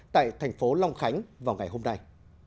tại thành phố long khánh vào ngày hôm nay